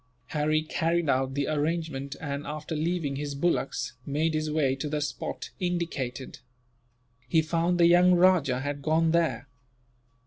Harry carried out the arrangement and, after leaving his bullocks, made his way to the spot indicated. He found the young rajah had gone there.